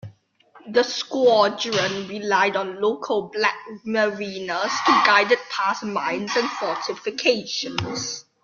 The squadron relied on local black mariners to guide it past mines and fortifications.